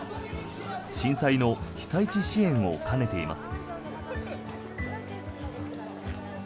震災の被災地支援を兼ねています。